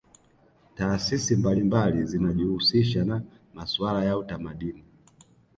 taasisi mbalimbali zinajihusisha na masuala ya utamadini